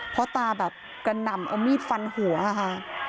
พ่อตาก็นำเอามีดฟันหัวค่ะ